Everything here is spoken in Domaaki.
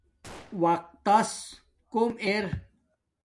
وقت تس کوم ار